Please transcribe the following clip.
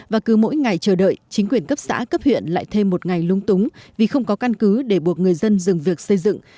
và cứ mỗi ngày chờ đợi chính quyền cấp xã cấp huyện lại thêm một ngày lung túng vì không có căn cứ để buộc người dân dừng việc xây dựng